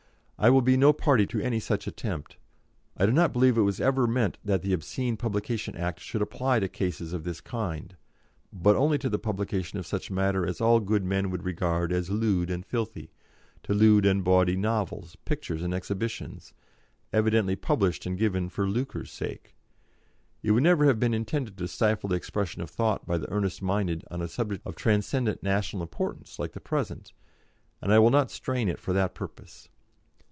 I will be no party to any such attempt. I do not believe that it was ever meant that the Obscene Publication Act should apply to cases of this kind, but only to the publication of such matter as all good men would regard as lewd and filthy, to lewd and bawdy novels, pictures and exhibitions, evidently published and given for lucre's sake. It could never have been intended to stifle the expression of thought by the earnest minded on a subject of transcendent national importance like the present, and I will not strain it for that purpose.